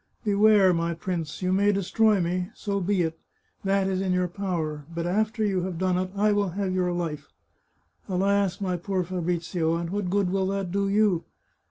Beware, my prince! you may destroy me — so be it ; that is in your power — but after you have done it, I will have your life. Alas, my poor Fa brizio, and what good will that do you?